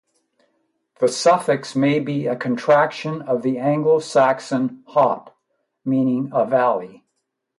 The suffix may be a contraction of the Anglo-Saxon "hop", meaning a valley.